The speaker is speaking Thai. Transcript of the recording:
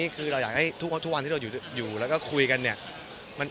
คือเราอยากให้ทุกวันที่เราอยู่แล้วก็คุยกันมันดีเรื่อยดีกว่าครับ